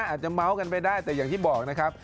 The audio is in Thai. อาจจะเมาส์กันไปได้แต่อย่างที่บอกนะครับ